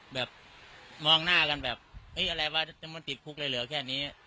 แบบมองหน้ากันแบบอะไรวะมันติดคุกเลยเหลือแค่นี้